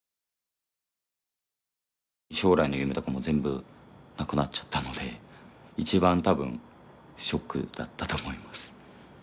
将来の夢とかも全部なくなっちゃったので一番多分ショックだったと思います。